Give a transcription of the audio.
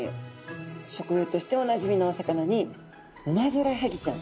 食用としておなじみのお魚にウマヅラハギちゃん。